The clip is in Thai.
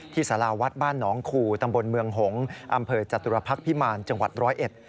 สาราวัดบ้านหนองคูตำบลเมืองหงษ์อำเภอจตุรพักษ์พิมารจังหวัดร้อยเอ็ด